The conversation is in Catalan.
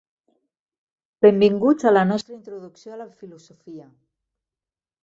Benvinguts a la nostra introducció a la filosofia.